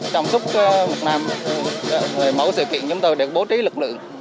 trong suốt một năm mỗi sự kiện chúng tôi đều bố trí lực lượng